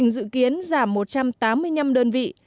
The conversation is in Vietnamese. dự kiến giảm một trăm tám mươi năm đơn vị